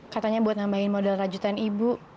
katanya buat nambahin modal rajutan ibu